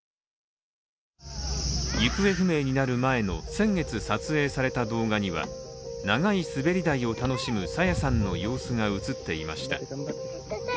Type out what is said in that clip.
行方不明になる前の先月撮影された動画には長い滑り台を楽しむ朝芽さんの様子が映っていました。